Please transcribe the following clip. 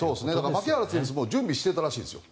牧原選手も準備していたらしいです。